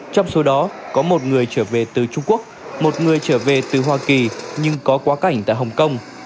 trong số đó có một người trở về từ trung quốc một người trở về từ hoa kỳ nhưng có quá cảnh tại hồng kông